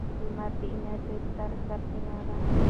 لمر د انرژۍ ستره سرچینه ده.